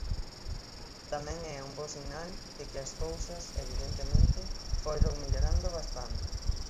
Tamén é un bo sinal de que as cousas, evidentemente, foron mellorando bastante.